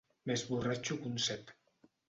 Més borratxo que un cep.